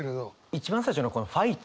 一番最初のこの「ファイト！」。